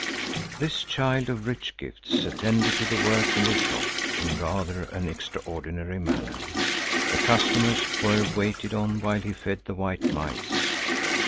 This child of rich gifts attended to the work in the shop in rather an extraordinary manner. The customers were waited on while he fed the white mice.